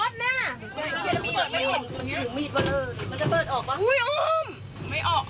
เออเอาเมียมันออกไปไม่งั้นมันกลัวลดนี่